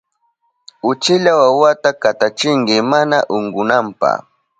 Uchilla wawata katachinki mana unkunanpa.